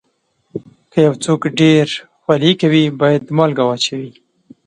که یو څوک ډېر خولې کوي، باید مالګه واچوي.